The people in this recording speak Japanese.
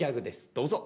どうぞ。